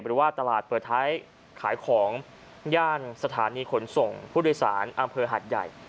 หรือว่าตลาดเปิดท้ายขายของย่านสถานีขนส่งผู้โดยสารอำเภอหาดใหญ่